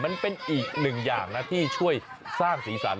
อันนี้เป็นอย่างดีมันเป็นอีกหนึ่งอย่างนะที่ช่วยสร้างศีรษร